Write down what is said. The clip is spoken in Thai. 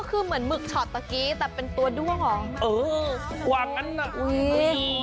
ก็คือเหมือนมึกชอตตะกี้เป็นตัวด้วงเหรอ